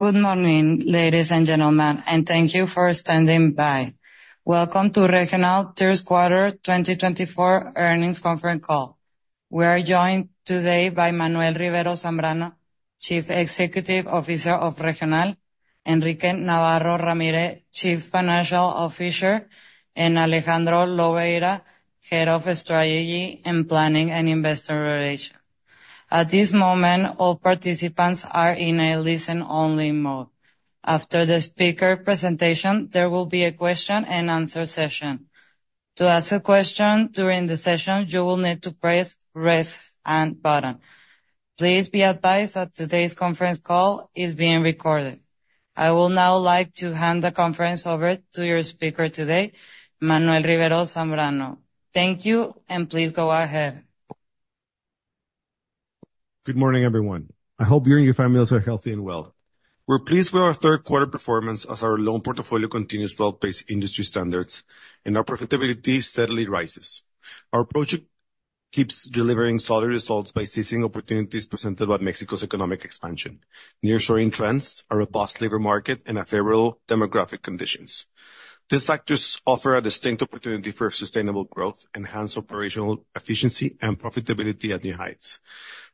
Good morning, ladies and gentlemen, and thank you for standing by. Welcome to Regional S.A.B. de C.V. Third Quarter 2024 earnings conference call. We are joined today by Manuel Rivero Zambrano, Chief Executive Officer of Regional; Enrique Navarro Ramírez, Chief Financial Officer; and Alejandro Lobeira, Head of Strategy and Planning and Investor Relations. At this moment, all participants are in a listen-only mode. After the speaker presentation, there will be a question-and-answer session. To ask a question during the session, you will need to press the raise-hand button. Please be advised that today's conference call is being recorded. I would now like to hand the conference over to your speaker today, Manuel Rivero Zambrano. Thank you, and please go ahead. Good morning, everyone. I hope you and your families are healthy and well. We're pleased with our third-quarter performance as our loan portfolio continues to outpace industry standards, and our profitability steadily rises. Our project keeps delivering solid results by seizing opportunities presented by Mexico's economic expansion, nearshoring trends, a robust labor market, and favorable demographic conditions. These factors offer a distinct opportunity for sustainable growth, enhanced operational efficiency, and profitability at new heights.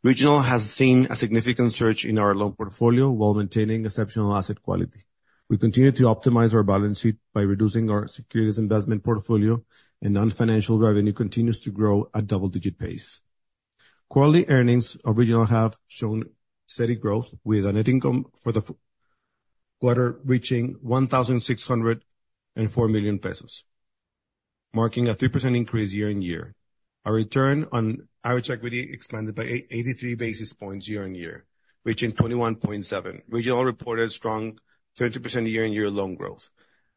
Regional has seen a significant surge in our loan portfolio while maintaining exceptional asset quality. We continue to optimize our balance sheet by reducing our securities investment portfolio, and non-financial revenue continues to grow at a double-digit pace. Quarterly earnings of Regional have shown steady growth, with a net income for the quarter reaching 1,604 million pesos, marking a 3% increase year-on-year. Our return on average equity expanded by 83 basis points year-on-year, reaching 21.7%. Regional reported strong 30% year-on-year loan growth,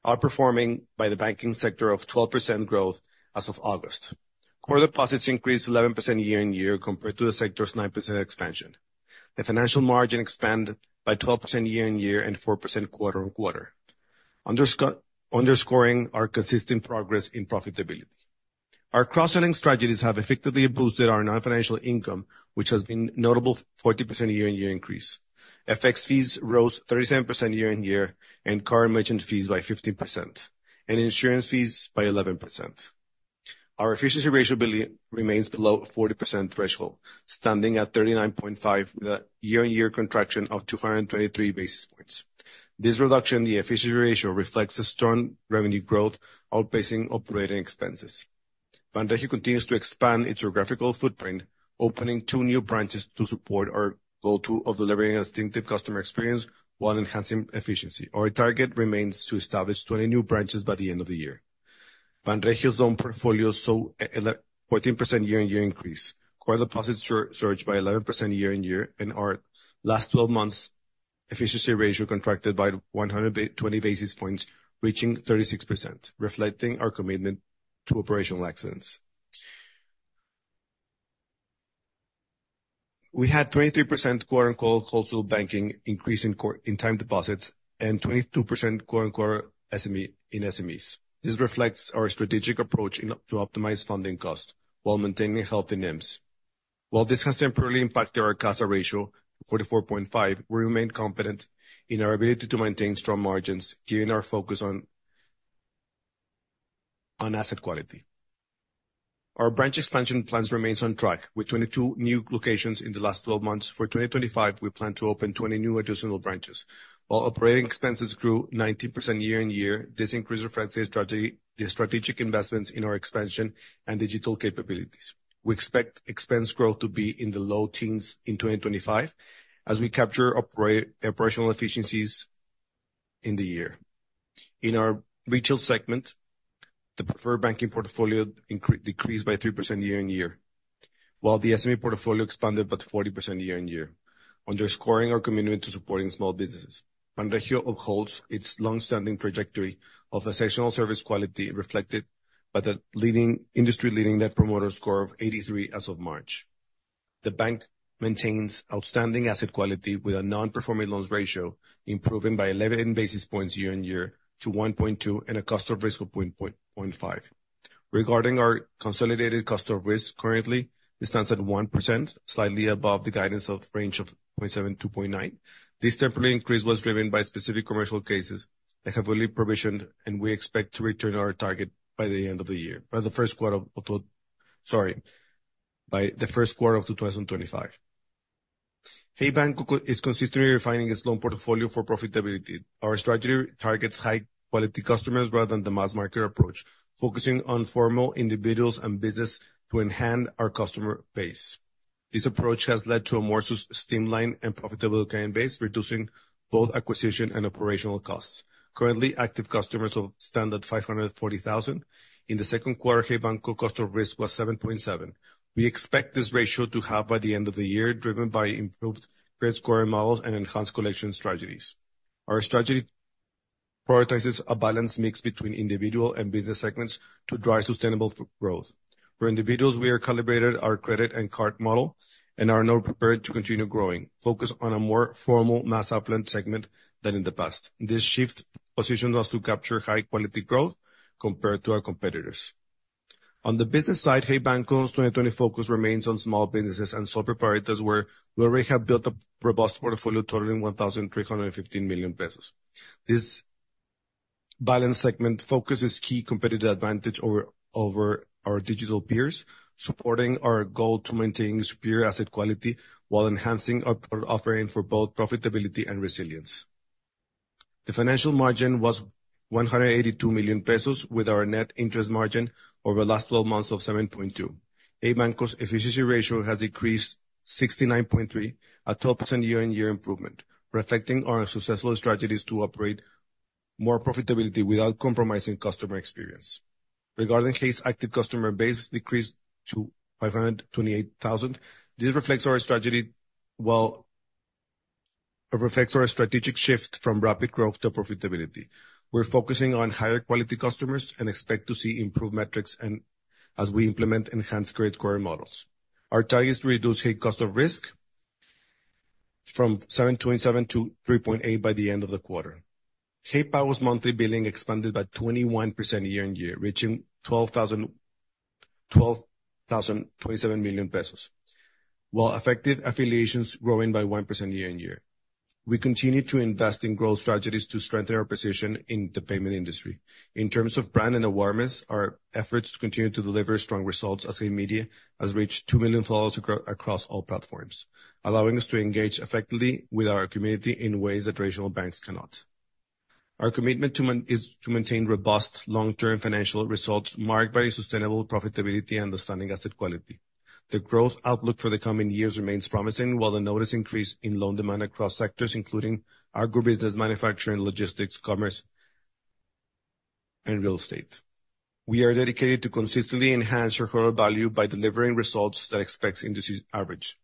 outperforming the banking sector by 12% growth as of August. Core deposits increased 11% year-on-year compared to the sector's 9% expansion. The financial margin expanded by 12% year-on-year and 4% quarter-on-quarter, underscoring our consistent progress in profitability. Our cross-selling strategies have effectively boosted our non-financial income, which has been a notable 40% year-on-year increase. FX fees rose 37% year-on-year, and card issuance fees by 15%, and insurance fees by 11%. Our efficiency ratio remains below the 40% threshold, standing at 39.5%, with a year-on-year contraction of 223 basis points. This reduction in the efficiency ratio reflects a strong revenue growth, outpacing operating expenses. Banregio continues to expand its geographical footprint, opening two new branches to support our goal of delivering a distinctive customer experience while enhancing efficiency. Our target remains to establish 20 new branches by the end of the year. Banregio's loan portfolio saw a 14% year-on-year increase, core deposits surged by 11% year-on-year, and our last 12 months' efficiency ratio contracted by 120 basis points, reaching 36%, reflecting our commitment to operational excellence. We had a 23% wholesale banking increase in time deposits and a 22% QoQ in SMEs. This reflects our strategic approach to optimize funding costs while maintaining healthy NIMs. While this has temporarily impacted our CASA ratio to 44.5, we remain confident in our ability to maintain strong margins, given our focus on asset quality. Our branch expansion plans remain on track, with 22 new locations in the last 12 months. For 2025, we plan to open 20 new additional branches. While operating expenses grew 19% year-on-year, this increase reflects the strategic investments in our expansion and digital capabilities. We expect expense growth to be in the low teens in 2025 as we capture operational efficiencies in the year. In our retail segment, the preferred banking portfolio decreased by 3% year-on-year, while the SME portfolio expanded by 40% year-on-year, underscoring our commitment to supporting small businesses. Banregio upholds its long-standing trajectory of exceptional service quality, reflected by the industry-leading Net Promoter Score of 83 as of March. The bank maintains outstanding asset quality, with a non-performing loans ratio improving by 11 basis points year-on-year to 1.2 and a cost of risk of 1.5. Regarding our consolidated cost of risk, currently, it stands at 1%, slightly above the guidance range of 0.7% to 0.9%. This temporary increase was driven by specific commercial cases that heavily provisioned, and we expect to return to our target by the end of the year, by the first quarter of 2025. Hey Banco is consistently refining its loan portfolio for profitability. Our strategy targets high-quality customers rather than the mass-market approach, focusing on formal individuals and businesses to enhance our customer base. This approach has led to a more streamlined and profitable client base, reducing both acquisition and operational costs. Currently, active customers stand at 540,000. In the second quarter, Hey Banco's cost of risk was 7.7%. We expect this ratio to halve by the end of the year, driven by improved credit scoring models and enhanced collection strategies. Our strategy prioritizes a balanced mix between individual and business segments to drive sustainable growth. For individuals, we have calibrated our credit and card model and are now prepared to continue growing, focused on a more formal mass-affluent segment than in the past. This shift positions us to capture high-quality growth compared to our competitors. On the business side, Hey Banco's 2024 focus remains on small businesses and sole proprietors, where we already have built a robust portfolio totaling 1,315 million pesos. This balanced segment focus is a key competitive advantage over our digital peers, supporting our goal to maintain superior asset quality while enhancing our offering for both profitability and resilience. The financial margin was 182 million pesos, with our net interest margin over the last 12 months of 7.2%. Hey Banco's efficiency ratio has decreased to 69.3%, a 12% year-on-year improvement, reflecting our successful strategies to operate more profitably without compromising customer experience. Regarding Hey Banco's active customer base, it decreased to 528,000. This reflects our strategic shift from rapid growth to profitability. We're focusing on higher-quality customers and expect to see improved metrics as we implement enhanced credit scoring models. Our target is to reduce Hey's cost of risk from 7.7% to 3.8% by the end of the quarter. Hey Pago's monthly billing expanded by 21% year-on-year, reaching 1,227 million pesos, while effective affiliations growing by 1% year-on-year. We continue to invest in growth strategies to strengthen our position in the payment industry. In terms of brand and awareness, our efforts continue to deliver strong results as Hey Media has reached 2 million across all platforms, allowing us to engage effectively with our community in ways that regional banks cannot. Our commitment is to maintain robust long-term financial results marked by sustainable profitability and outstanding asset quality. The growth outlook for the coming years remains promising, while the notable increase in loan demand across sectors including agribusiness, manufacturing, logistics, commerce, and real estate. We are dedicated to consistently enhancing our value by delivering results that exceed industry averages.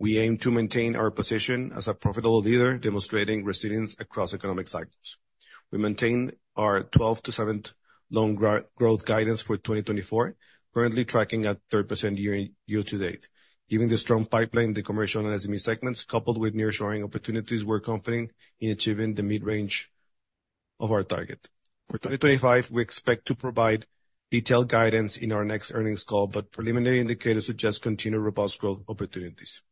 We aim to maintain our position as a profitable leader, demonstrating resilience across economic cycles. We maintain our 12%-17% loan growth guidance for 2024, currently tracking at 3% year-to-date. Given the strong pipeline in the commercial and SME segments, coupled with nearshoring opportunities, we're confident in achieving the mid-range of our target. For 2025, we expect to provide detailed guidance in our next earnings call, but preliminary indicators suggest continued robust growth opportunities.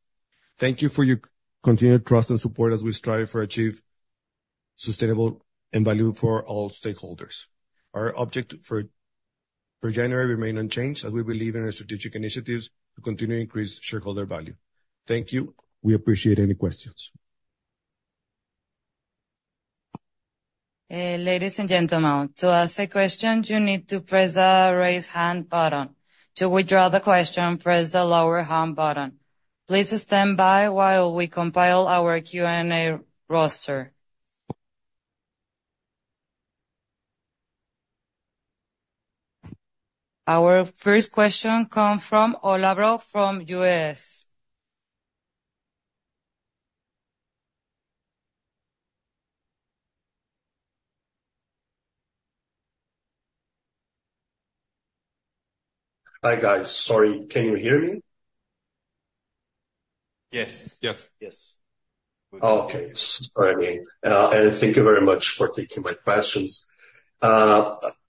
Thank you for your continued trust and support as we strive to achieve sustainable and value for all stakeholders. Our objectives for January remain unchanged, as we believe in our strategic initiatives to continue to increase shareholder value. Thank you. We appreciate any questions. Ladies and gentlemen, to ask a question, you need to press the raise-hand button. To withdraw the question, press the lower-hand button. Please stand by while we compile our Q&A roster. Our first question comes from Olavo from UBS. Hi, guys. Sorry, can you hear me? Yes. Yes. Yes. Okay. Sorry, I mean, and thank you very much for taking my questions.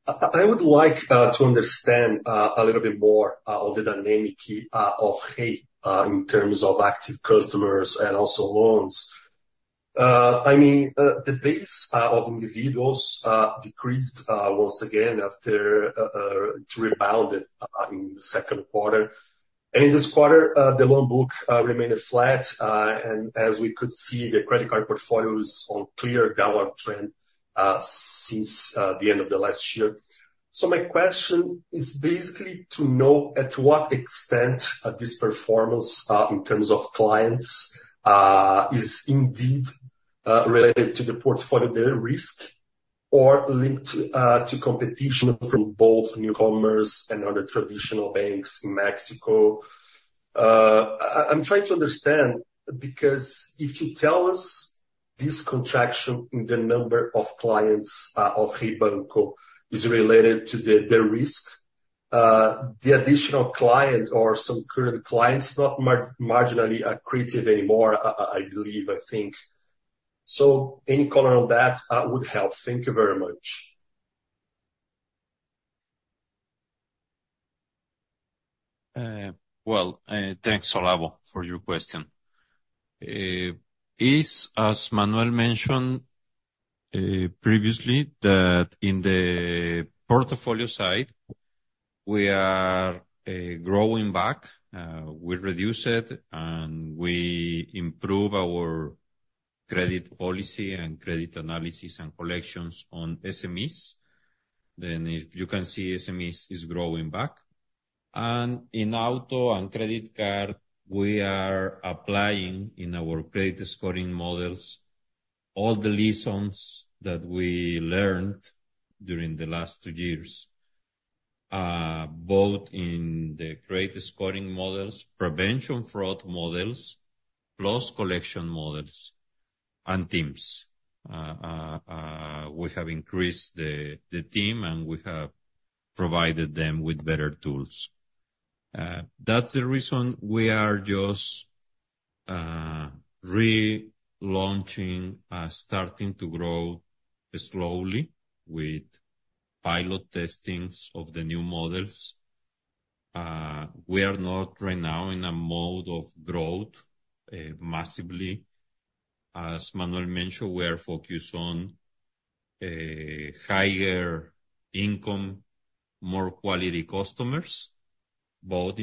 I would like to understand a little bit more of the dynamic of Hey in terms of active customers and also loans. I mean, the base of individuals decreased once again after it rebounded in the second quarter. And in this quarter, the loan book remained flat. And as we could see, the credit card portfolio is on a clear downward trend since the end of the last year. So my question is basically to know to what extent this performance in terms of clients is indeed related to the portfolio risk or linked to competition from both newcomers and other traditional banks in Mexico. I'm trying to understand because if you tell us this contraction in the number of clients of Hey Banco is related to their risk, the additional client or some current clients not marginally creditworthy anymore, I believe, I think. So any color on that would help. Thank you very much. Thanks, Olavo, for your question. It's, as Manuel mentioned previously, that in the portfolio side, we are growing back. We reduce it, and we improve our credit policy and credit analysis and collections on SMEs. Then you can see SMEs is growing back. And in auto and credit card, we are applying in our credit scoring models all the lessons that we learned during the last two years, both in the credit scoring models, prevention fraud models, plus collection models and teams. We have increased the team, and we have provided them with better tools. That's the reason we are just relaunching, starting to grow slowly with pilot testings of the new models. We are not right now in a mode of growth massively. As Manuel mentioned, we are focused on higher income, more quality customers, both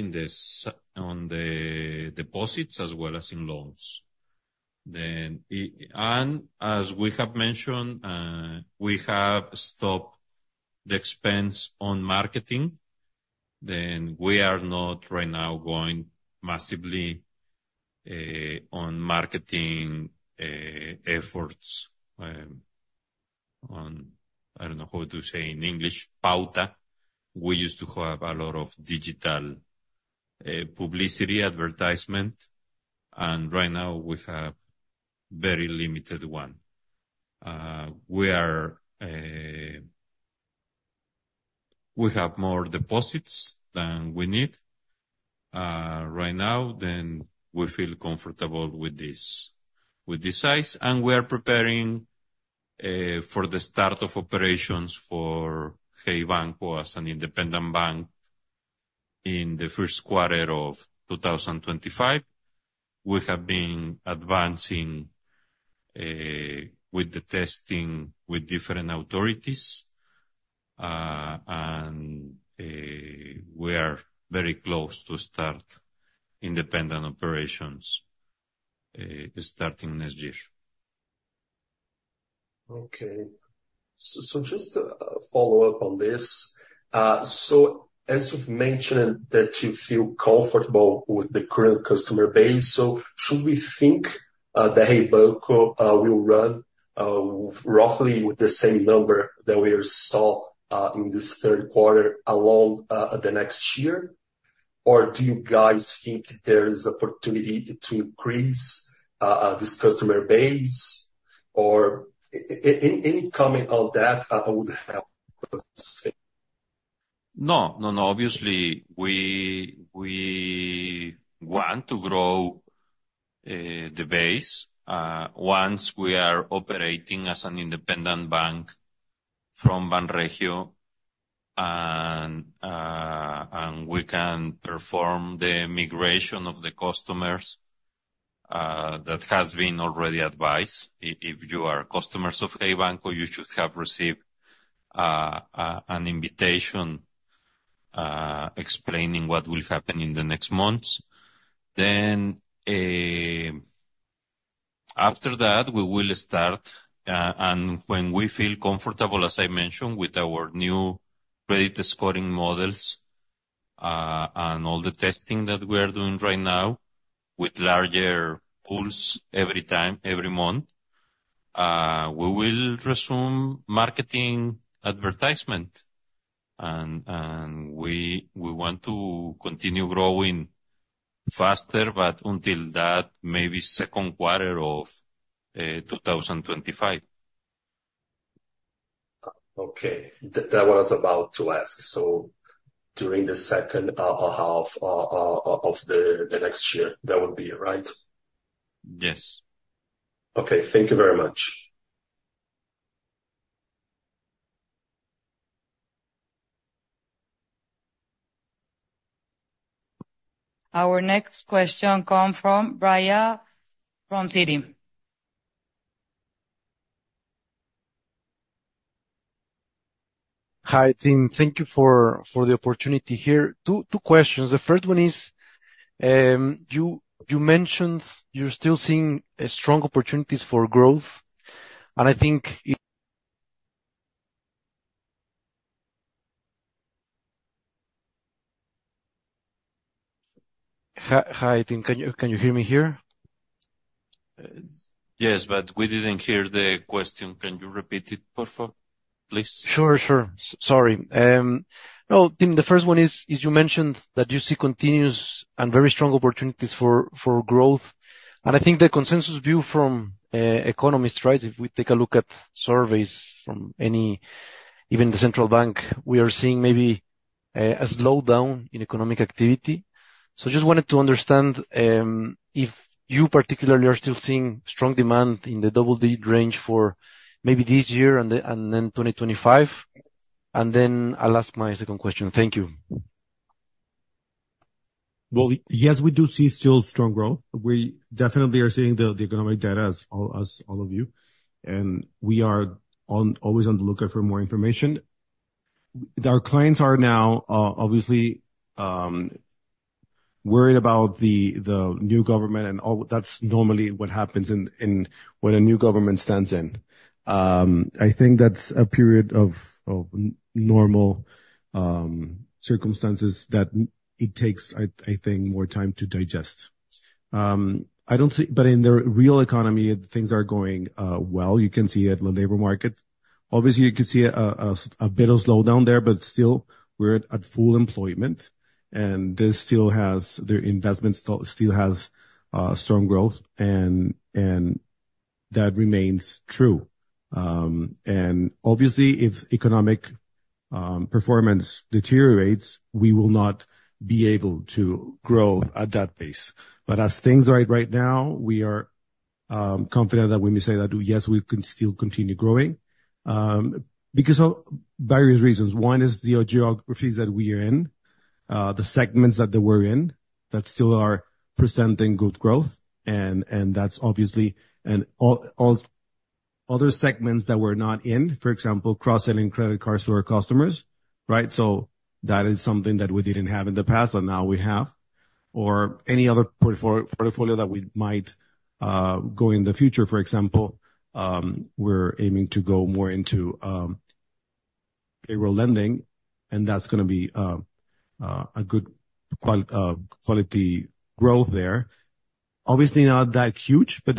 on the deposits as well as in loans. As we have mentioned, we have stopped the expense on marketing. We are not right now going massively on marketing efforts on, I don't know how to say in English, pauta. We used to have a lot of digital publicity advertisement, and right now we have very limited one. We have more deposits than we need right now, then we feel comfortable with this size. We are preparing for the start of operations for Hey Banco as an independent bank in the first quarter of 2025. We have been advancing with the testing with different authorities, and we are very close to start independent operations starting next year. Okay. So just to follow up on this, so as you've mentioned that you feel comfortable with the current customer base, so should we think that Hey Banco will run roughly with the same number that we saw in this third quarter along the next year? Or do you guys think there is an opportunity to increase this customer base? Or any comment on that would help? No, no, no. Obviously, we want to grow the base once we are operating as an independent bank from Banregio, and we can perform the migration of the customers that has been already advised. If you are customers of Hey Banco, you should have received an invitation explaining what will happen in the next months. Then after that, we will start, and when we feel comfortable, as I mentioned, with our new credit scoring models and all the testing that we are doing right now with larger pools every time, every month, we will resume marketing advertisement. And we want to continue growing faster, but until that maybe second quarter of 2025. Okay. That was about to ask. So during the second half of the next year, that would be, right? Yes. Okay. Thank you very much. Our next question comes from Brian from Citi. Hi, team. Thank you for the opportunity here. Two questions. The first one is you mentioned you're still seeing strong opportunities for growth. Hi, team. Can you hear me here? Yes, but we didn't hear the question. Can you repeat it, please? Sure, sure. Sorry. No, team, the first one is you mentioned that you see continuous and very strong opportunities for growth. And I think the consensus view from economists, right, if we take a look at surveys from any even the central bank, we are seeing maybe a slowdown in economic activity. So I just wanted to understand if you particularly are still seeing strong demand in the double-digit range for maybe this year and then 2025. And then I'll ask my second question. Thank you. Yes, we do see still strong growth. We definitely are seeing the economic data as all of you. We are always on the lookout for more information. Our clients are now obviously worried about the new government, and that's normally what happens when a new government stands in. I think that's a period of normal circumstances that it takes, I think, more time to digest. In the real economy, things are going well. You can see it in the labor market. Obviously, you can see a bit of slowdown there, but still, we're at full employment. This still has their investments still have strong growth. That remains true. Obviously, if economic performance deteriorates, we will not be able to grow at that pace. But as things are right now, we are confident that when we say that, yes, we can still continue growing because of various reasons. One is the geographies that we are in, the segments that we're in that still are presenting good growth. And that's obviously other segments that we're not in, for example, cross-selling credit cards to our customers, right? So that is something that we didn't have in the past, and now we have. Or any other portfolio that we might go in the future, for example, we're aiming to go more into payroll lending, and that's going to be a good quality growth there. Obviously, not that huge, but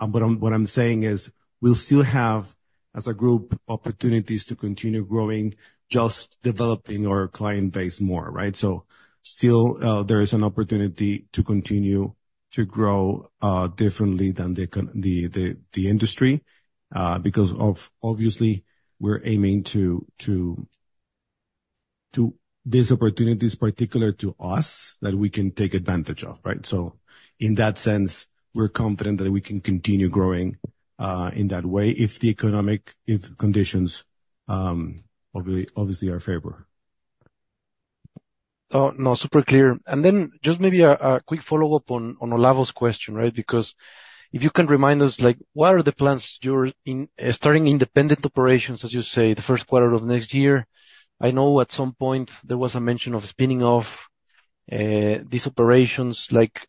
what I'm saying is we'll still have, as a group, opportunities to continue growing, just developing our client base more, right? So still, there is an opportunity to continue to grow differently than the industry because of, obviously, we're aiming to these opportunities particular to us that we can take advantage of, right? So in that sense, we're confident that we can continue growing in that way if the economic conditions obviously are favorable. No, super clear. And then just maybe a quick follow-up on Olavo's question, right? Because if you can remind us, what are the plans? You're starting independent operations, as you say, the first quarter of next year. I know at some point there was a mention of spinning off these operations.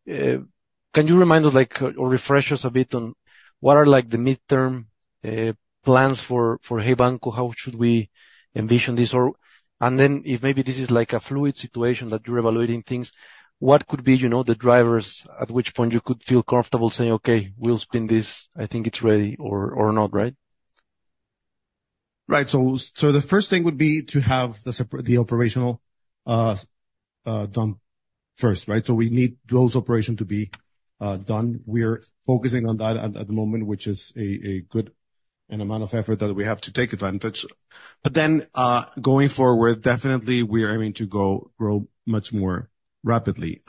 Can you remind us or refresh us a bit on what are the midterm plans for Hey Banco? How should we envision this? And then if maybe this is a fluid situation that you're evaluating things, what could be the drivers at which point you could feel comfortable saying, "Okay, we'll spin this. I think it's ready," or not, right? Right. So the first thing would be to have the operations done first, right? So we need those operations to be done. We're focusing on that at the moment, which is a good amount of effort that we have to take advantage, but then going forward, definitely, we are aiming to grow much more rapidly,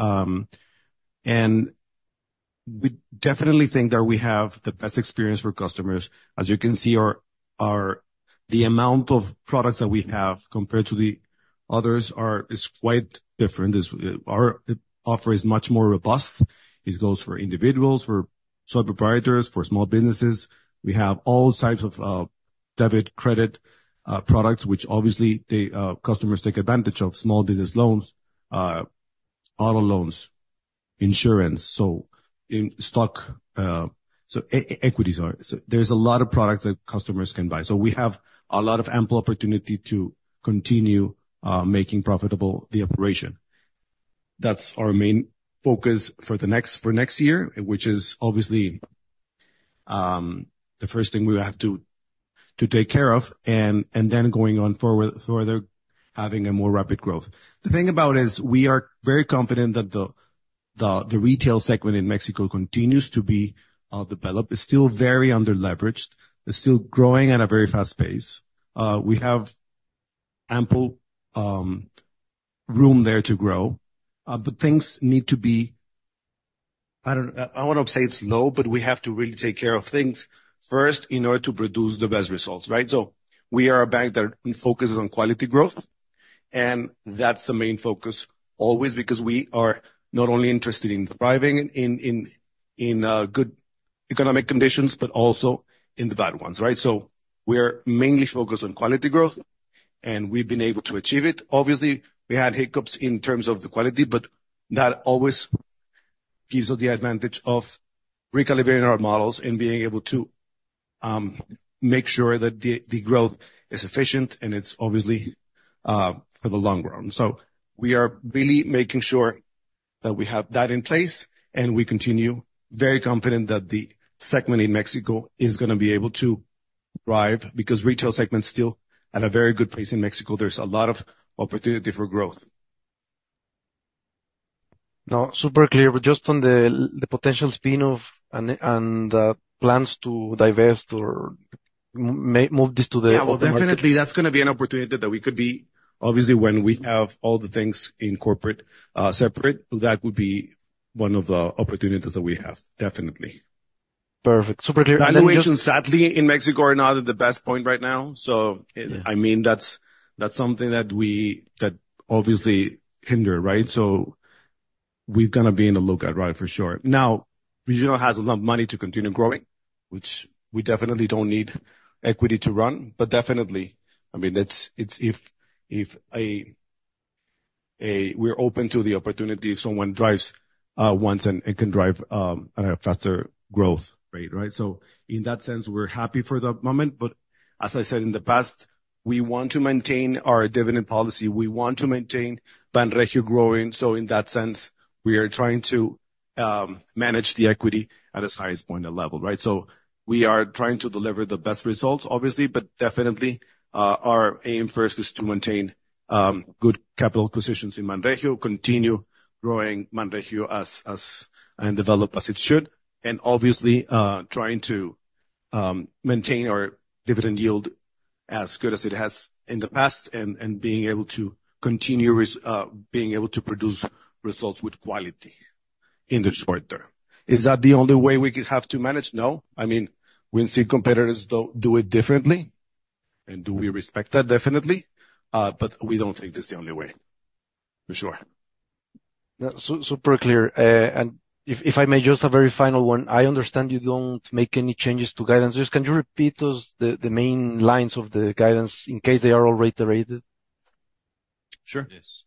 and we definitely think that we have the best experience for customers. As you can see, the amount of products that we have compared to the others is quite different. Our offer is much more robust. It goes for individuals, for sole proprietors, for small businesses. We have all types of debit, credit products, which obviously customers take advantage of: small business loans, auto loans, insurance, so stock, so equities. There's a lot of products that customers can buy, so we have a lot of ample opportunity to continue making profitable the operation. That's our main focus for next year, which is obviously the first thing we have to take care of. And then going on further, having a more rapid growth. The thing about it is we are very confident that the retail segment in Mexico continues to be developed. It's still very under-leveraged. It's still growing at a very fast pace. We have ample room there to grow. But things need to be, I want to say it's slow, but we have to really take care of things first in order to produce the best results, right? So we are a bank that focuses on quality growth. And that's the main focus always because we are not only interested in thriving in good economic conditions, but also in the bad ones, right? So we're mainly focused on quality growth, and we've been able to achieve it. Obviously, we had hiccups in terms of the quality, but that always gives us the advantage of recalibrating our models and being able to make sure that the growth is efficient, and it's obviously for the long run, so we are really making sure that we have that in place, and we continue very confident that the segment in Mexico is going to be able to thrive because retail segment is still at a very good place in Mexico. There's a lot of opportunity for growth. No, super clear. But just on the potential spin-off and plans to divest or move this to the. Yeah, well, definitely, that's going to be an opportunity that we could be, obviously, when we have all the things in corporate separate, that would be one of the opportunities that we have, definitely. Perfect. Super clear. Valuations, sadly, in Mexico are not at the best point right now. So I mean, that's something that we obviously hinder, right? So we're going to be on the lookout, right, for sure. Now, Regional has a lot of money to continue growing, which we definitely don't need equity to run. But definitely, I mean, if we're open to the opportunity, if someone drives once and can drive at a faster growth rate, right? So in that sense, we're happy for the moment. But as I said in the past, we want to maintain our dividend policy. We want to maintain Banregio growing. So in that sense, we are trying to manage the equity at its highest point of level, right? So we are trying to deliver the best results, obviously. But definitely, our aim first is to maintain good capital positions in Banregio, continue growing Banregio as developed as it should, and obviously trying to maintain our dividend yield as good as it has in the past and being able to continue to produce results with quality in the short term. Is that the only way we could have to manage? No. I mean, we see competitors do it differently, and do we respect that? Definitely. But we don't think that's the only way, for sure. Super clear. And if I may just have a very final one, I understand you don't make any changes to guidance. Just can you repeat the main lines of the guidance in case they are all reiterated? Sure. Yes.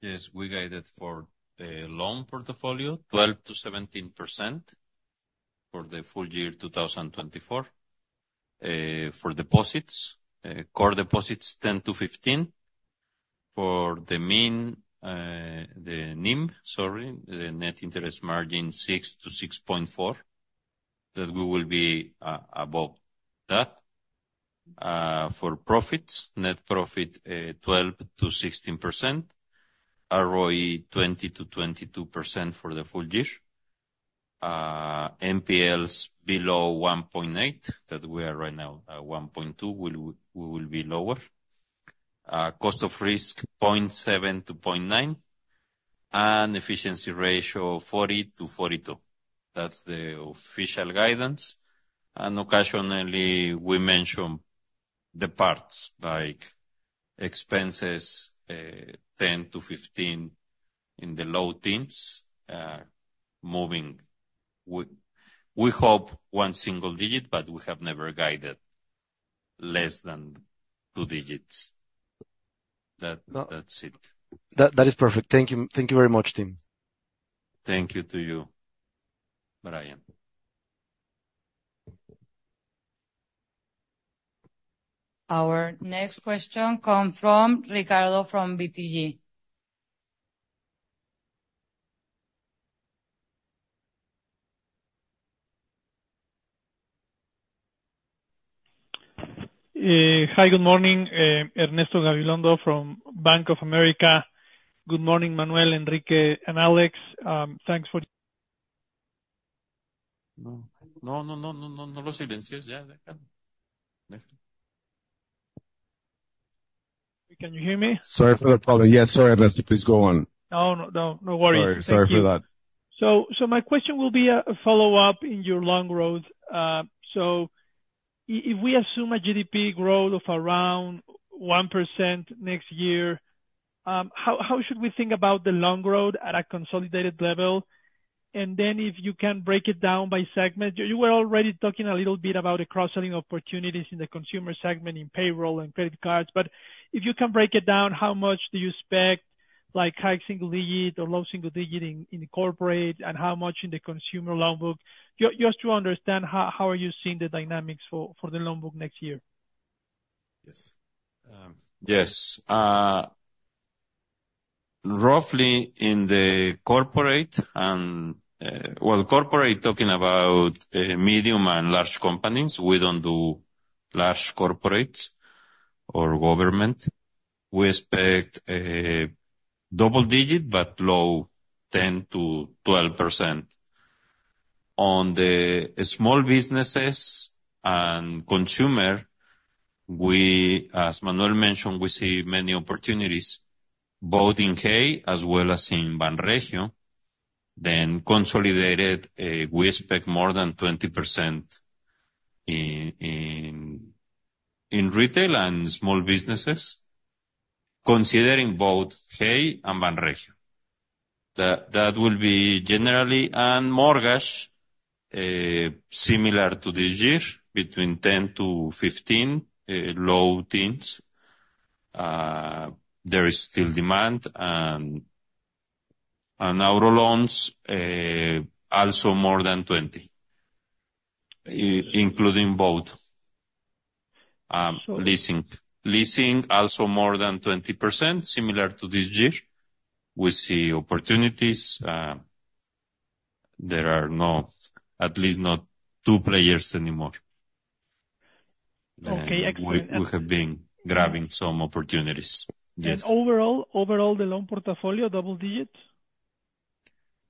Yes. We guided for loan portfolio growth 12%-17% for the full year 2024. For deposits, core deposits 10%-15%. For the NIM, sorry, the net interest margin, 6%-6.4%, that we will be above that. For profits, net profit 12%-16%. ROE 20%-22% for the full year. NPLs below 1.8%, that we are right now at 1.2%, we will be lower. Cost of risk 0.7%-0.9%. And efficiency ratio 40%-42%. That's the official guidance. And occasionally, we mention the parts like expenses 10%-15% in the low teens. Moreover, we hope low single digit, but we have never guided less than two digits. That's it. That is perfect. Thank you. Thank you very much, team. Thank you to you, Brian. Our next question comes from Ricardo from BTG. Hi, good morning. Ernesto Gabilondo from Bank of America. Good morning, Manuel, Enrique, and Alex. Thanks for— No, no, no, no, no, no lo silencies ya. Can you hear me? Sorry for the problem. Yes, sorry, Ernesto, please go on. No, no, no worries. Sorry for that. So my question will be a follow-up on your loan book. So if we assume a GDP growth of around 1% next year, how should we think about the loan book at a consolidated level? And then if you can break it down by segment, you were already talking a little bit about the cross-selling opportunities in the consumer segment in payroll and credit cards. But if you can break it down, how much do you expect like high single digit or low single digit in corporate and how much in the consumer loan book? Just to understand how are you seeing the dynamics for the loan book next year? Yes. Yes. Roughly in the corporate and, well, corporate talking about medium and large companies, we don't do large corporates or government. We expect double-digit, but low 10%-12%. On the small businesses and consumer, as Manuel mentioned, we see many opportunities both in Hey as well as in Banregio. Then consolidated, we expect more than 20% in retail and small businesses, considering both Hey and Banregio. That will be generally and mortgage similar to this year between 10%-15%, low teens. There is still demand and auto loans also more than 20%, including both. Leasing, also more than 20%, similar to this year. We see opportunities. There are no, at least not two players anymore. Okay. Excellent. We have been grabbing some opportunities. Yes. Overall, the loan portfolio, double digit?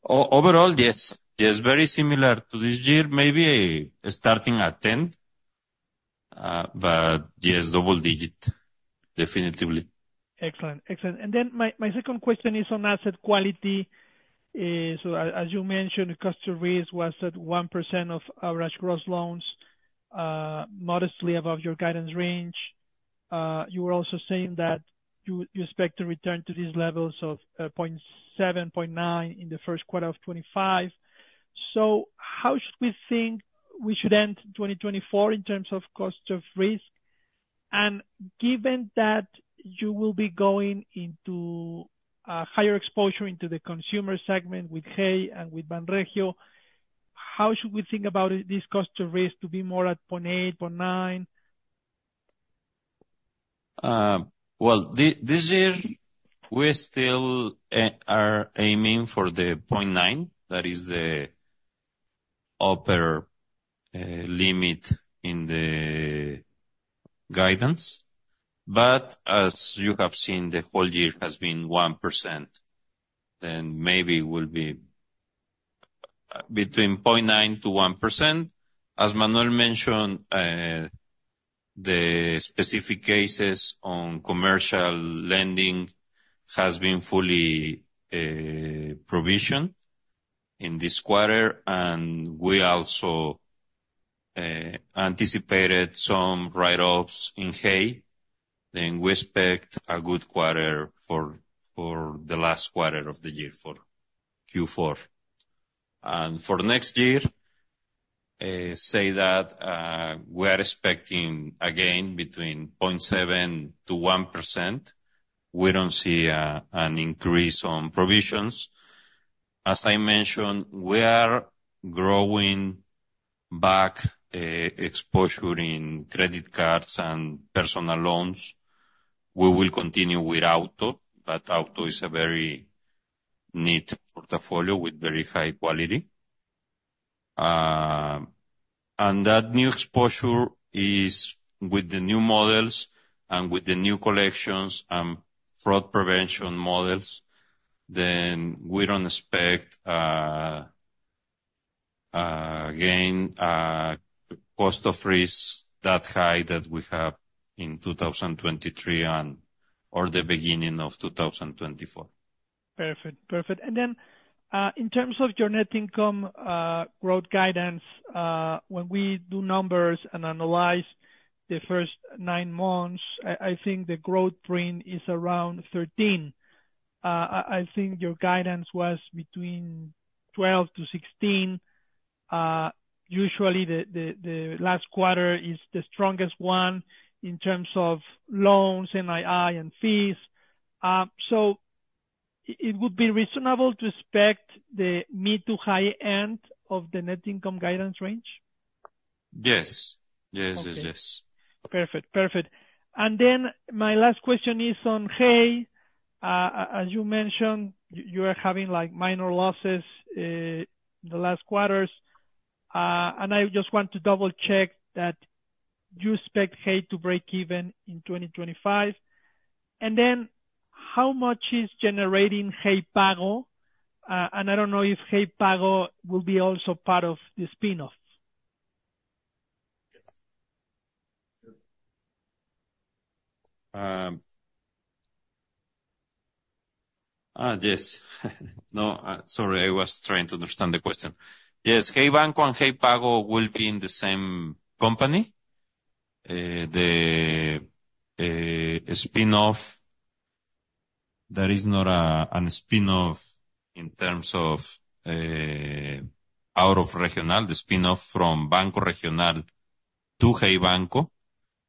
Overall, yes. Yes, very similar to this year, maybe starting at 10. But yes, double digit, definitely. Excellent. Excellent. And then my second question is on asset quality. So as you mentioned, cost of risk was at 1% of average gross loans, modestly above your guidance range. You were also saying that you expect to return to these levels of 0.7%-0.9% in the first quarter of 2025. So how should we think we should end 2024 in terms of cost of risk? And given that you will be going into a higher exposure into the consumer segment with Kia and with Banregio, how should we think about this cost of risk to be more at 0.8%-0.9%? This year, we still are aiming for the 0.9%. That is the upper limit in the guidance. But as you have seen, the whole year has been 1%. Maybe it will be between 0.9%-1%. As Manuel mentioned, the specific cases on commercial lending have been fully provisioned in this quarter. We also anticipated some write-offs in Hey. We expect a good quarter for the last quarter of the year for Q4. For next year, say that we are expecting again between 0.7%-1%. We don't see an increase on provisions. As I mentioned, we are growing back exposure in credit cards and personal loans. We will continue with auto, but auto is a very neat portfolio with very high quality. That new exposure is with the new models and with the new collections and fraud prevention models. Then we don't expect again cost of risk that high that we have in 2023 or the beginning of 2024. Perfect. Perfect. And then in terms of your net income growth guidance, when we do numbers and analyze the first nine months, I think the growth rate is around 13%. I think your guidance was between 12%-16%. Usually, the last quarter is the strongest one in terms of loans, NII, and fees. So it would be reasonable to expect the mid to high end of the net income guidance range? Yes. Yes. Yes. Yes. Perfect. Perfect. And then my last question is on Hey. As you mentioned, you are having minor losses in the last quarters. And I just want to double-check that you expect Hey to break even in 2025. And then how much is generating Hey Pago? And I don't know if Hey Pago will be also part of the spin-off. Yes. Yes. No, sorry, I was trying to understand the question. Yes, Hey Banco and Hey Pago will be in the same company. The spin-off, there is not a spin-off in terms of out of Regional. The spin-off from Banco Regional to Hey Banco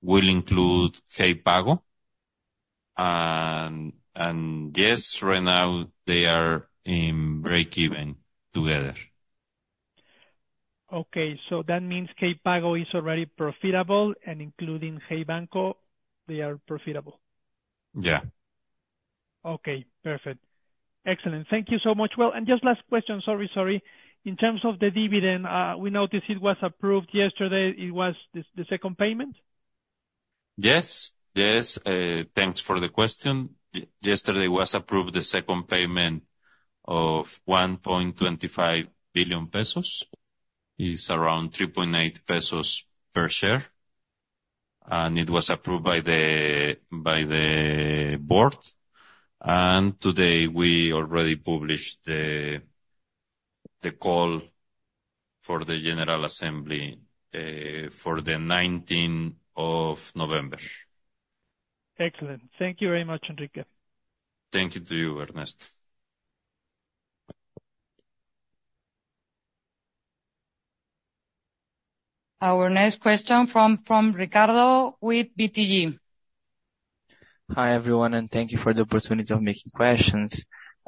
will include Hey Pago. And yes, right now they are in break even together. Okay. So that means Hey Pago is already profitable, and including Hey Banco, they are profitable. Yeah. Okay. Perfect. Excellent. Thank you so much. Well, and just last question, sorry, sorry. In terms of the dividend, we noticed it was approved yesterday. It was the second payment? Yes. Yes. Thanks for the question. Yesterday was approved the second payment of 1.25 billion pesos. It's around 3.8 pesos per share. And it was approved by the board. And today we already published the call for the General Assembly for the 19th of November. Excellent. Thank you very much, Enrique. Thank you to you, Ernesto. Our next question from Ricardo with BTG. Hi everyone, and thank you for the opportunity of making questions.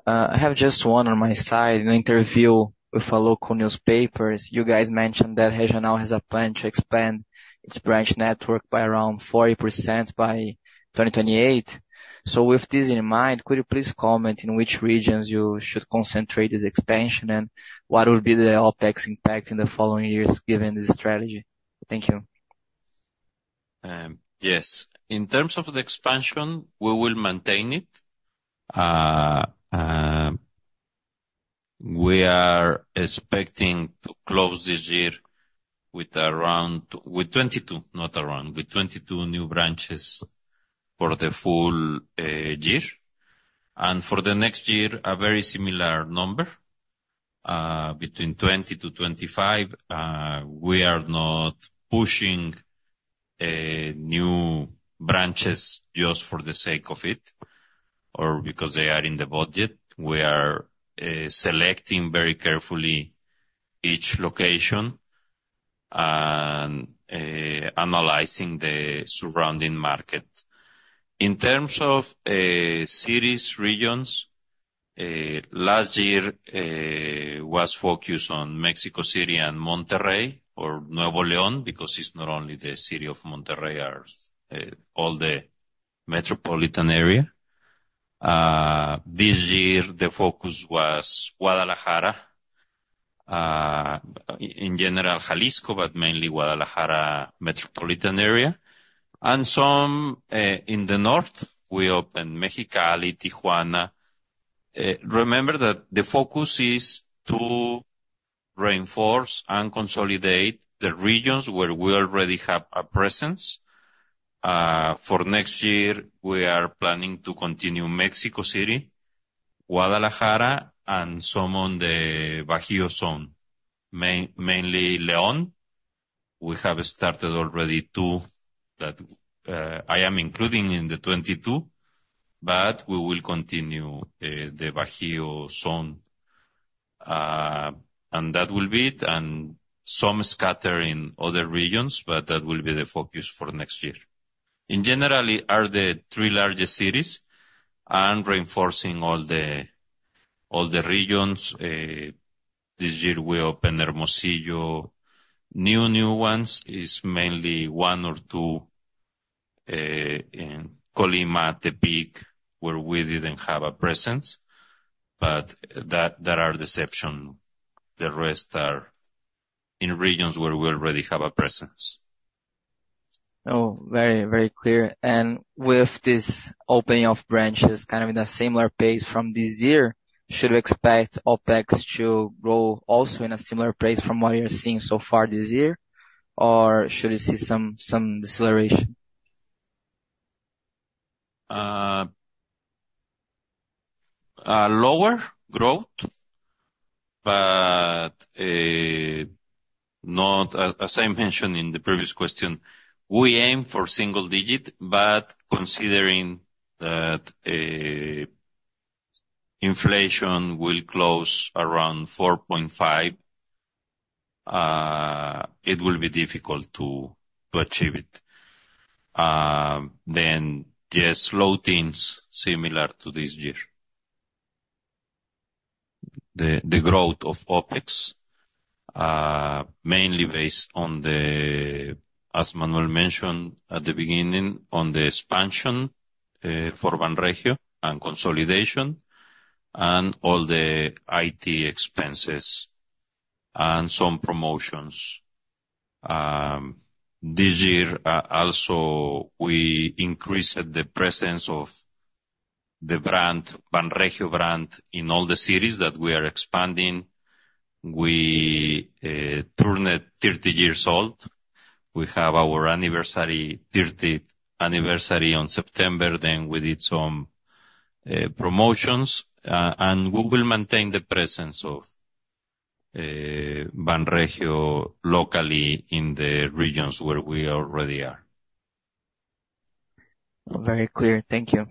I have just one on my side. In an interview with a local newspaper, you guys mentioned that Regional has a plan to expand its branch network by around 40% by 2028. So with this in mind, could you please comment in which regions you should concentrate this expansion and what will be the OpEx impact in the following years given this strategy? Thank you. Yes. In terms of the expansion, we will maintain it. We are expecting to close this year with around with 22, not around, with 22 new branches for the full year. And for the next year, a very similar number between 20 to 25. We are not pushing new branches just for the sake of it or because they are in the budget. We are selecting very carefully each location and analyzing the surrounding market. In terms of cities, regions, last year was focused on Mexico City and Monterrey or Nuevo León because it's not only the city of Monterrey, all the metropolitan area. This year, the focus was Guadalajara, in general Jalisco, but mainly Guadalajara metropolitan area. And some in the north, we opened Mexicali, Tijuana. Remember that the focus is to reinforce and consolidate the regions where we already have a presence. For next year, we are planning to continue Mexico City, Guadalajara, and some on the Bajío zone, mainly León. We have started already two that I am including in 2022, but we will continue the Bajío zone, and that will be it. Some scattered in other regions, but that will be the focus for next year. In general, are the three largest cities and reinforcing all the regions. This year, we opened Hermosillo. New ones is mainly one or two in Colima, Tepic, where we didn't have a presence. But that are the exception. The rest are in regions where we already have a presence. Oh, very, very clear. And with this opening of branches kind of in a similar pace from this year, should we expect OpEx to grow also in a similar pace from what you're seeing so far this year, or should we see some deceleration? Lower growth, but not, as I mentioned in the previous question, we aim for single digit, but considering that inflation will close around 4.5%, it will be difficult to achieve it. Then yes, low teens similar to this year. The growth of OpEx, mainly based on the, as Manuel mentioned at the beginning, on the expansion for Banregio and consolidation and all the IT expenses and some promotions. This year, also we increased the presence of the brand, Banregio brand in all the cities that we are expanding. We turned 30 years old. We have our anniversary, 30th anniversary on September. Then we did some promotions. And we will maintain the presence of Banregio locally in the regions where we already are. Very clear. Thank you.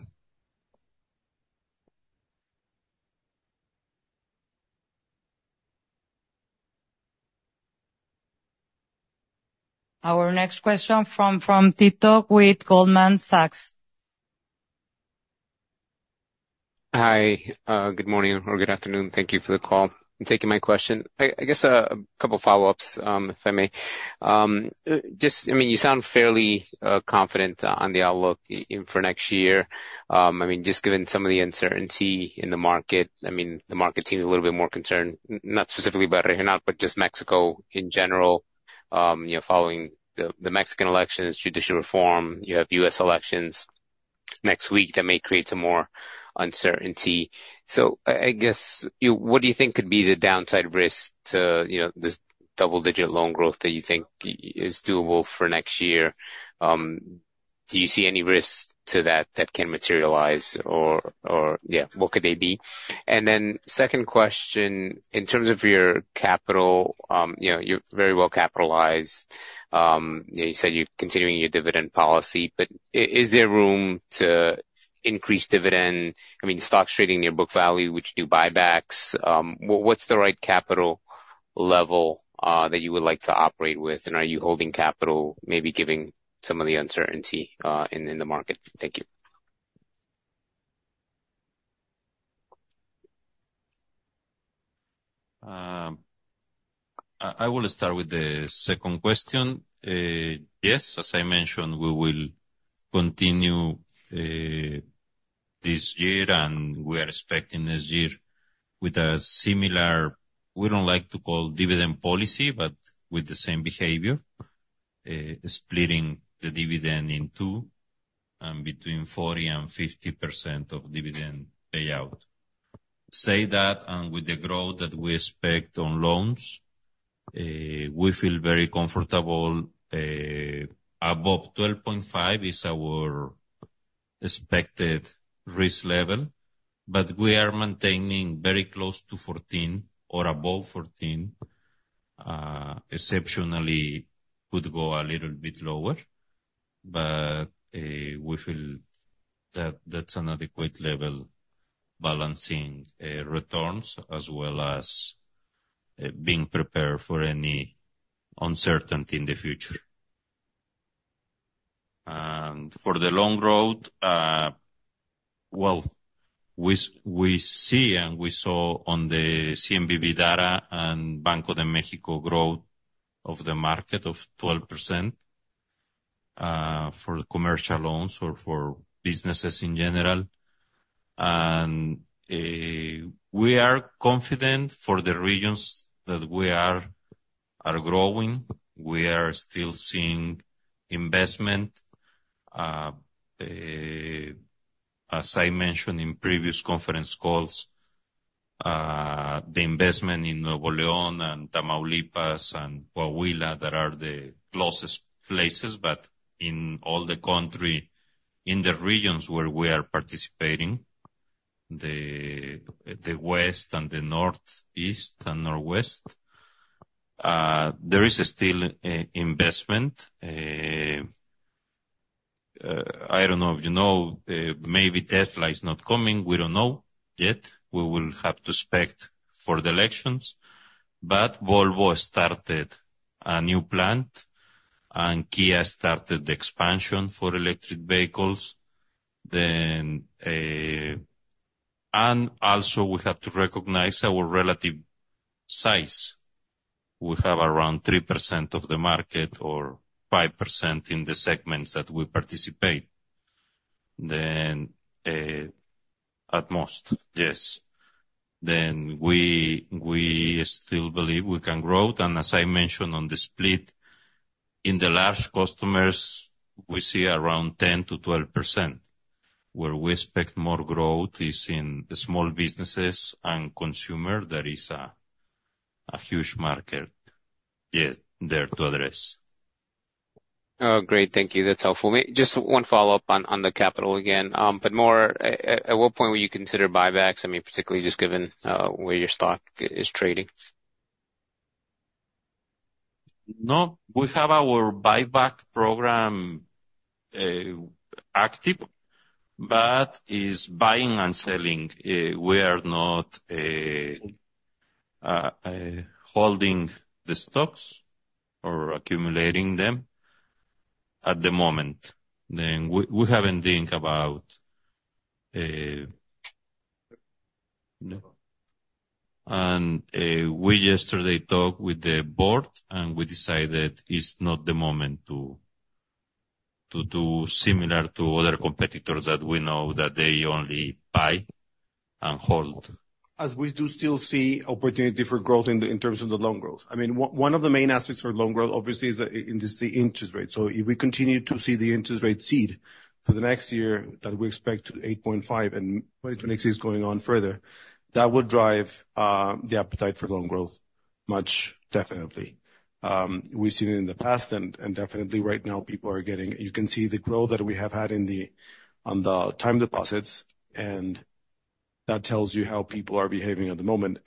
Our next question from Tito with Goldman Sachs. Hi. Good morning or good afternoon. Thank you for the call. I'm taking my question. I guess a couple of follow-ups, if I may. Just, I mean, you sound fairly confident on the outlook for next year. I mean, just given some of the uncertainty in the market, I mean, the market seems a little bit more concerned, not specifically about Regional, but just Mexico in general, following the Mexican elections, judicial reform. You have U.S. elections next week that may create some more uncertainty. So I guess, what do you think could be the downside risk to this double-digit loan growth that you think is doable for next year? Do you see any risks to that that can materialize? Or yeah, what could they be? And then second question, in terms of your capital, you're very well capitalized. You said you're continuing your dividend policy, but is there room to increase dividend? I mean, stocks trading near book value, which do buybacks. What's the right capital level that you would like to operate with? And are you holding capital, maybe giving some of the uncertainty in the market? Thank you. I will start with the second question. Yes, as I mentioned, we will continue this year, and we are expecting this year with a similar—we don't like to call dividend policy, but with the same behavior—splitting the dividend in two and between 40% and 50% of dividend payout. Say that, and with the growth that we expect on loans, we feel very comfortable. Above 12.5 is our expected risk level, but we are maintaining very close to 14 or above 14. Exceptionally, could go a little bit lower, but we feel that that's an adequate level balancing returns as well as being prepared for any uncertainty in the future. And for the long road, well, we see and we saw on the CNBV data and Banco de México growth of the market of 12% for commercial loans or for businesses in general. We are confident for the regions that we are growing. We are still seeing investment. As I mentioned in previous conference calls, the investment in Nuevo León and Tamaulipas and Coahuila that are the closest places, but in all the country, in the regions where we are participating, the west and the northeast and northwest, there is still investment. I don't know if you know, maybe Tesla is not coming. We don't know yet. We will have to expect for the elections. But Volvo started a new plant and Kia started the expansion for electric vehicles. And also, we have to recognize our relative size. We have around 3% of the market or 5% in the segments that we participate. Then at most, yes. Then we still believe we can grow. And as I mentioned on the split, in the large customers, we see around 10%-12%. Where we expect more growth is in small businesses and consumer. That is a huge market, yes, there to address. Oh, great. Thank you. That's helpful. Just one follow-up on the capital again, but more, at what point will you consider buybacks? I mean, particularly just given where your stock is trading. No, we have our buyback program active, but it's buying and selling. We are not holding the stocks or accumulating them at the moment, then we haven't thought about it, and we yesterday talked with the board, and we decided it's not the moment to do similar to other competitors that we know that they only buy and hold. As we do still see opportunity for growth in terms of the loan growth. I mean, one of the main aspects for loan growth, obviously, is the interest rate. So if we continue to see the interest rate ease for the next year that we expect to 8.5% and 2026 going on further, that would drive the appetite for loan growth much, definitely. We've seen it in the past, and definitely right now, people are getting, you can see the growth that we have had on the time deposits, and that tells you how people are behaving at the moment,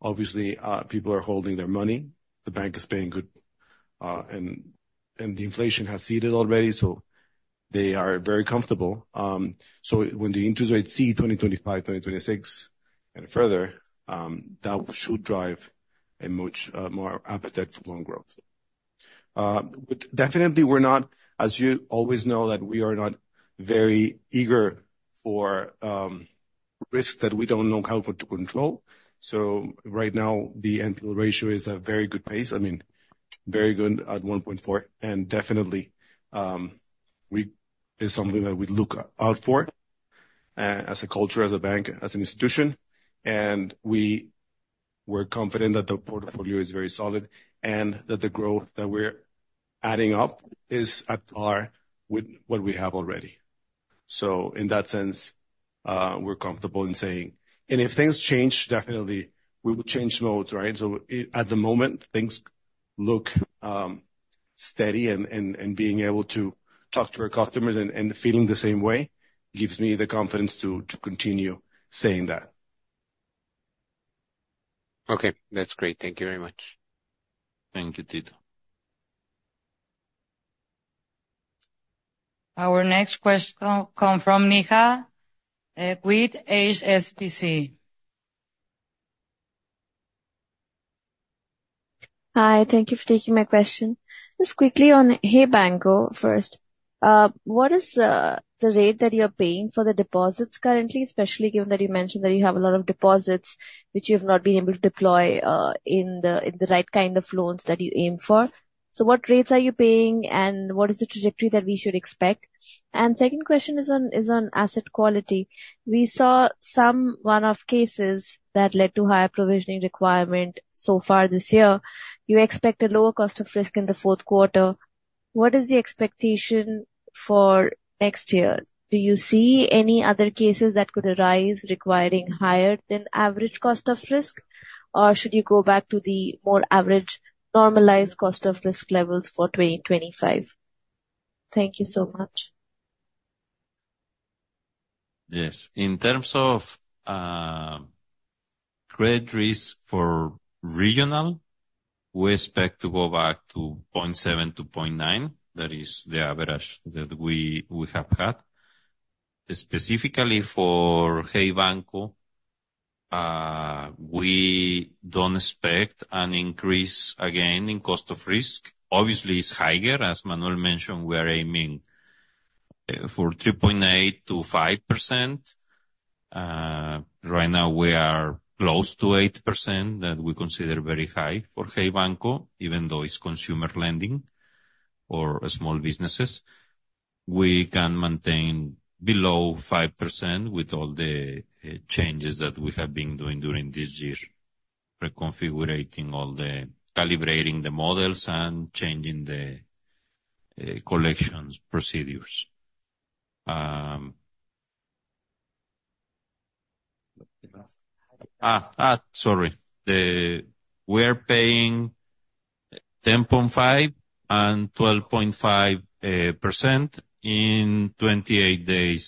obviously, people are holding their money. The bank is paying well, and the inflation has eased already, so they are very comfortable, when the interest rate eases 2025, 2026, and further, that should drive a much more appetite for loan growth. Definitely, we're not, as you always know, that we are not very eager for risks that we don't know how to control, so right now, the NPL ratio is at a very good pace, I mean, very good at 1.4, and definitely is something that we look out for as a culture, as a bank, as an institution, and we're confident that the portfolio is very solid and that the growth that we're adding up is at par with what we have already, so in that sense, we're comfortable in saying, and if things change, definitely, we will change modes, right, so at the moment, things look steady, and being able to talk to our customers and feeling the same way gives me the confidence to continue saying that. Okay. That's great. Thank you very much. Thank you, Tito. Our next question comes from Neha with HSBC. Hi. Thank you for taking my question. Just quickly on Hey Banco first. What is the rate that you're paying for the deposits currently, especially given that you mentioned that you have a lot of deposits, which you have not been able to deploy in the right kind of loans that you aim for? So what rates are you paying, and what is the trajectory that we should expect? And second question is on asset quality. We saw some one-off cases that led to higher provisioning requirement so far this year. You expect a lower cost of risk in the fourth quarter. What is the expectation for next year? Do you see any other cases that could arise requiring higher than average cost of risk, or should you go back to the more average normalized cost of risk levels for 2025? Thank you so much. Yes. In terms of credit risk for Regional, we expect to go back to 0.7%-0.9%. That is the average that we have had. Specifically for Hey Banco, we don't expect an increase again in cost of risk. Obviously, it's higher. As Manuel mentioned, we are aiming for 3.8%-5%. Right now, we are close to 8% that we consider very high for Hey Banco, even though it's consumer lending or small businesses. We can maintain below 5% with all the changes that we have been doing during this year, reconfiguring all calibrating the models and changing the collections procedures. Sorry. We are paying 10.5%-12.5% in 28-day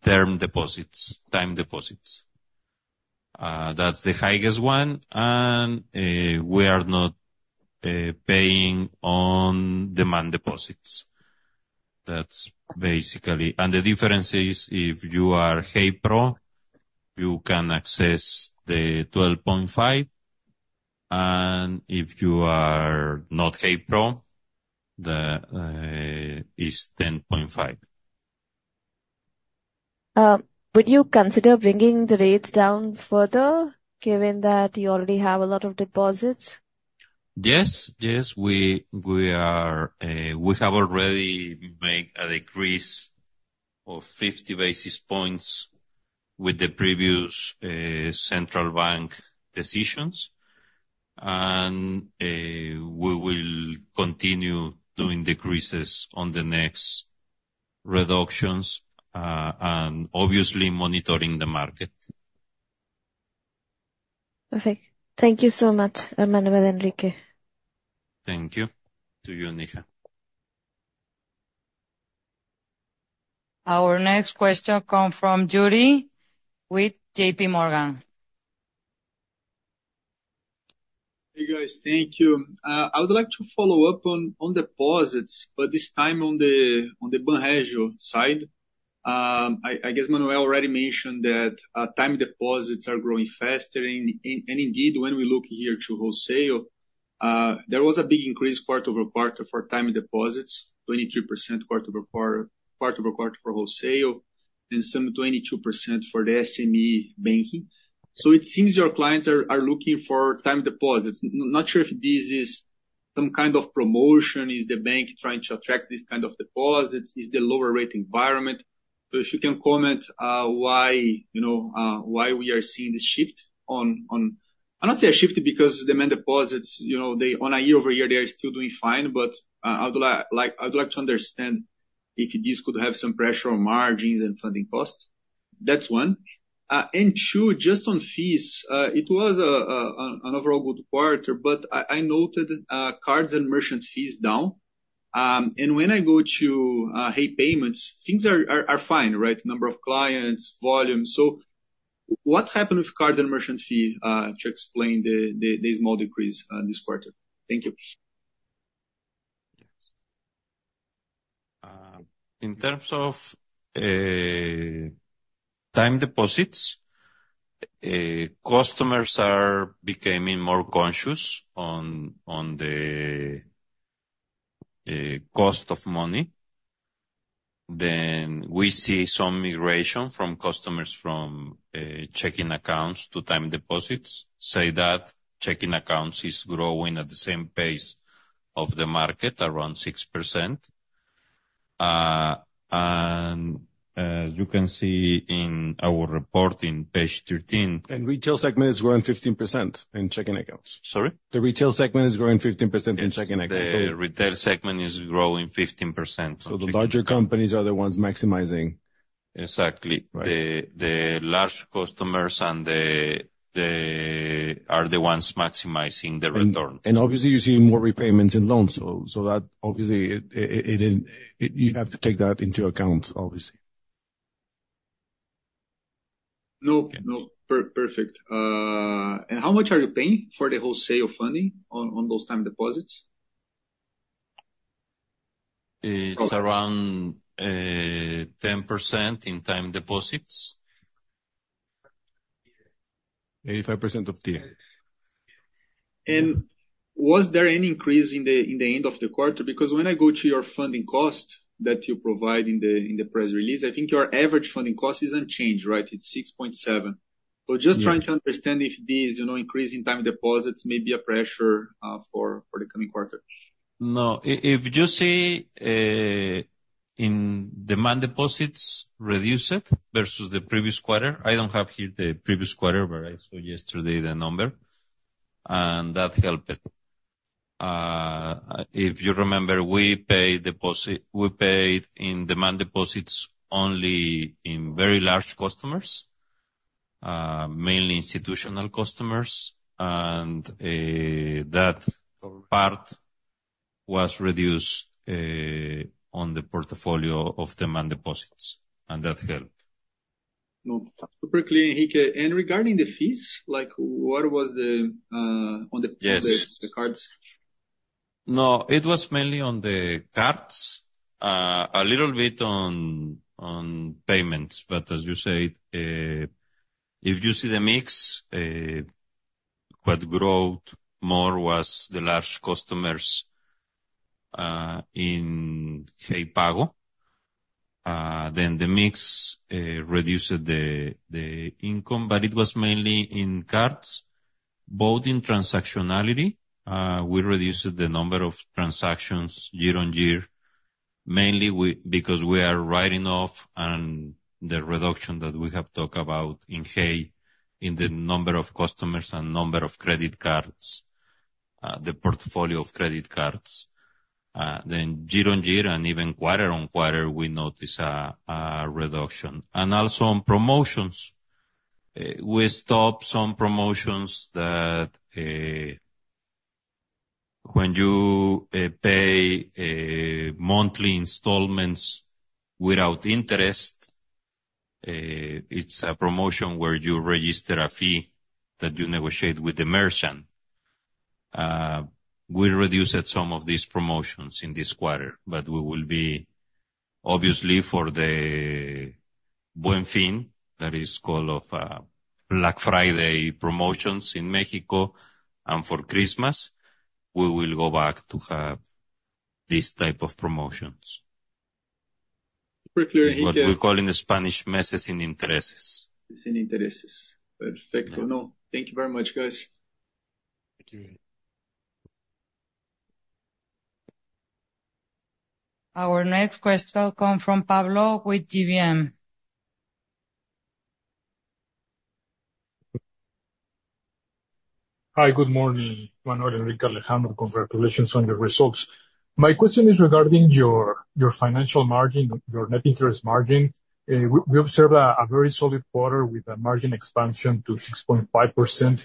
term deposits, time deposits. That's the highest one. And we are not paying on demand deposits. That's basically, and the difference is if you are Hey Pro, you can access the 12.5%. And if you are not Hey Pro, it's 10.5%. Would you consider bringing the rates down further given that you already have a lot of deposits? Yes. Yes. We have already made a decrease of 50 basis points with the previous central bank decisions, and we will continue doing decreases on the next reductions and obviously monitoring the market. Perfect. Thank you so much, Manuel Enrique. Thank you. To you, Neha. Our next question comes from Yuri with JPMorgan. Hey, guys. Thank you. I would like to follow up on deposits, but this time on the Banregio side. I guess Manuel already mentioned that time deposits are growing faster. And indeed, when we look here to wholesale, there was a big increase quarter-over-quarter for time deposits, 23% quarter-over-quarter for wholesale, and some 22% for the SME banking. So it seems your clients are looking for time deposits. Not sure if this is some kind of promotion, is the bank trying to attract this kind of deposits, is the lower rate environment. So if you can comment why we are seeing this shift on—I don't say a shift because demand deposits, on a year-over-year, they are still doing fine, but I would like to understand if this could have some pressure on margins and funding costs. That's one. And two, just on fees, it was an overall good quarter, but I noted cards and merchant fees down. And when I go to Hey Pago, things are fine, right? Number of clients, volume. So what happened with cards and merchant fee to explain the small decrease this quarter? Thank you. In terms of time deposits, customers are becoming more conscious on the cost of money. Then we see some migration from customers from checking accounts to time deposits. Say that checking accounts is growing at the same pace of the market, around 6%. And as you can see in our report in page 13. Retail segment is growing 15% in checking accounts. Sorry? The retail segment is growing 15% in checking accounts. The retail segment is growing 15%. The larger companies are the ones maximizing. Exactly. The large customers are the ones maximizing the return. And obviously, you see more repayments in loans. So that, obviously, you have to take that into account, obviously. No, no. Perfect. And how much are you paying for the wholesale funding on those time deposits? It's around 10% in time deposits. 85% of TIIE. And was there any increase in the end of the quarter? Because when I go to your funding cost that you provide in the press release, I think your average funding cost is unchanged, right? It's 6.7. So just trying to understand if this increase in time deposits may be a pressure for the coming quarter. No. If you see in demand deposits reduced versus the previous quarter, I don't have here the previous quarter, but I saw yesterday the number, and that helped. If you remember, we paid in demand deposits only in very large customers, mainly institutional customers, and that part was reduced on the portfolio of demand deposits, and that helped. No, super clear, Enrique. And regarding the fees, what was on the cards? No, it was mainly on the cards, a little bit on payments. As you said, if you see the mix, what grew more was the large customers in Hey Pago. The mix reduced the income, but it was mainly in cards. Both in transactionality, we reduced the number of transactions year-on-year, mainly because we are writing off the reduction that we have talked about in Hey in the number of customers and number of credit cards, the portfolio of credit cards. Year-on-year, and even quarter-on-quarter, we noticed a reduction. Also on promotions, we stopped some promotions that when you pay monthly installments without interest, it's a promotion where you register a fee that you negotiate with the merchant. We reduced some of these promotions in this quarter, but we will be, obviously, for the Buen Fin, that is called Black Friday promotions in Mexico, and for Christmas, we will go back to have this type of promotions. Super clear, Enrique. What we call in Spanish, meses sin intereses. Meses sin intereses. Perfecto. No, thank you very much, guys. Thank you. Our next question comes from Pablo with GBM. Hi, good morning. Manuel, Enrique, Alejandro, congratulations on your results. My question is regarding your financial margin, your net interest margin. We observed a very solid quarter with a margin expansion to 6.5%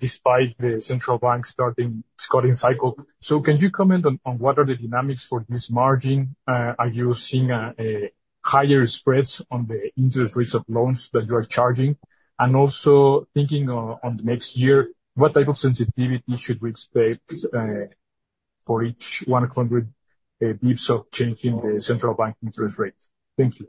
despite the central bank starting its cutting cycle. So can you comment on what are the dynamics for this margin? Are you seeing higher spreads on the interest rates of loans that you are charging? And also, thinking on the next year, what type of sensitivity should we expect for each 100 basis points of changing the central bank interest rate? Thank you.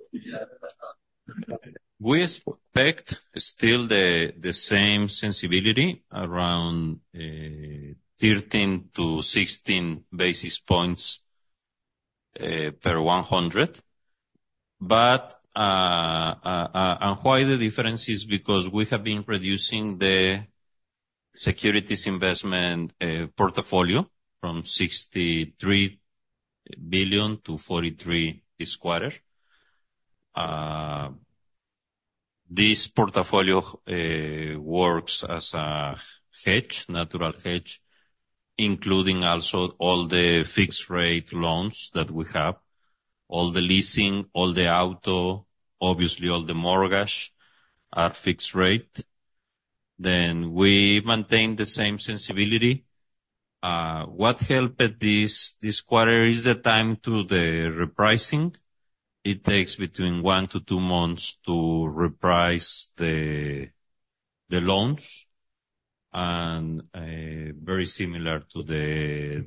We expect still the same sensitivity around 13 to 16 basis points per 100. And why the difference is because we have been reducing the securities investment portfolio from 63 billion to 43 billion this quarter. This portfolio works as a hedge, natural hedge, including also all the fixed-rate loans that we have, all the leasing, all the auto, obviously, all the mortgage at fixed rate. Then we maintain the same sensitivity. What helped this quarter is the time to the repricing. It takes between one to two months to reprice the loans. And very similar to the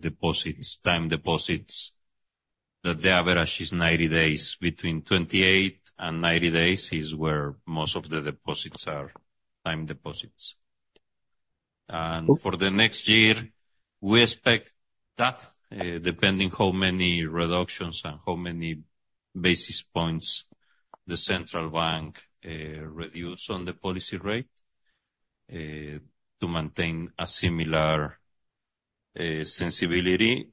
deposits, time deposits, that the average is 90 days. Between 28 and 90 days is where most of the deposits are, time deposits. For the next year, we expect that, depending on how many reductions and how many basis points the central bank reduces on the policy rate to maintain a similar sensibility,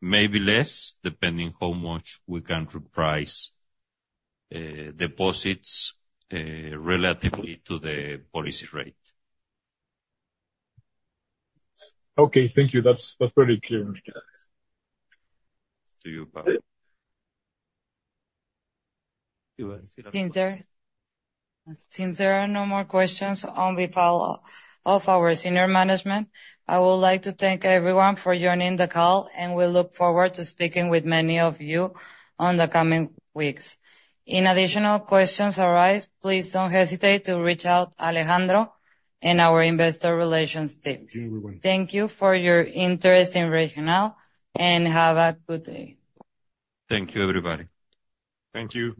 maybe less, depending on how much we can reprice deposits relatively to the policy rate. Okay. Thank you. That's very clear. To you, Pablo. Thank you. Since there are no more questions on behalf of our senior management, I would like to thank everyone for joining the call, and we look forward to speaking with many of you in the coming weeks. If additional questions arise, please don't hesitate to reach out to Alejandro and our investor relations team. Thank you, everyone. Thank you for your interest in Regional, and have a good day. Thank you, everybody. Thank you.